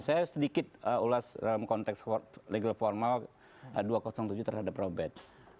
saya sedikit ulas dalam konteks legal formal dua ratus tujuh terhadap robert